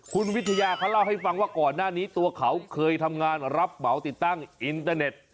คุณวิทยาเขาเล่าให้ฟังว่าก่อนหน้านี้ตัวเขาเคยทำงานรับเหมาติดตั้งอินเตอร์เน็ต